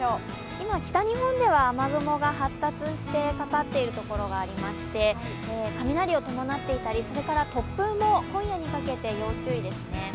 今、北日本では雨雲が発達してかかっているところがありまして、雷を伴っていたり、突風も今夜にかけて要注意ですね。